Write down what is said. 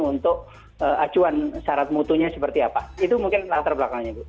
untuk acuan syarat mutunya seperti apa itu mungkin latar belakangnya